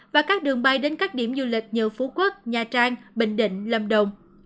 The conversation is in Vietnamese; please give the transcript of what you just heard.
và các đường bay đến các điểm du lịch như phú quốc nha trang bình định lâm đồng